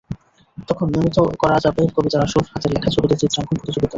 তখন নিয়মিত করা যাবে কবিতার আসর, হাতের লেখা, ছোটদের চিত্রাঙ্কন প্রতিযোগিতা।